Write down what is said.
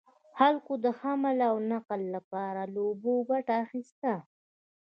خلکو د حمل او نقل لپاره له اوبو ګټه اخیسته.